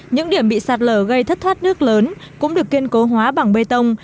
những điểm bị sạt lở gây thất thoát nước lớn cũng được kiên cố hóa bằng bê tông